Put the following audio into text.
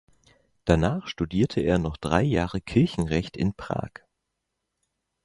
Danach studierte er noch drei Jahre Kirchenrecht in Prag.